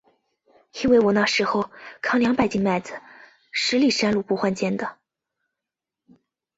因为我那时候，扛两百斤麦子，十里山路不换肩的。